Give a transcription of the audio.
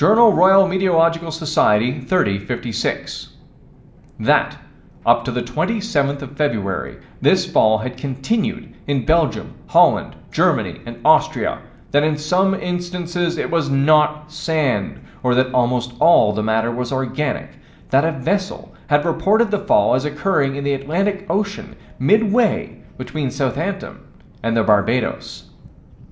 Roy. Met. Soc._, 30 56: That, up to the 27th of February, this fall had continued in Belgium, Holland, Germany and Austria; that in some instances it was not sand, or that almost all the matter was organic: that a vessel had reported the fall as occurring in the Atlantic Ocean, midway between Southampton and the Barbados.